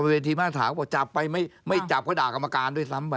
เวทีมาตรฐานเขาบอกจับไปไม่จับเขาด่ากรรมการด้วยซ้ำไป